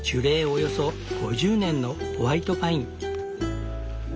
およそ５０年のホワイトパイン。